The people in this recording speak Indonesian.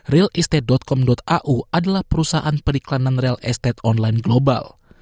realiste com au adalah perusahaan periklanan real estate online global